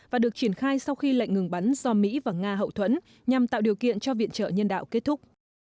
và được triển khai sau khi lệnh ngừng bắn do mỹ và nga hậu thuẫn nhằm tạo điều kiện cho viện trợ nhân đạo kết thúc